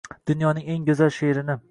Dunyoning eng go’zal she’rini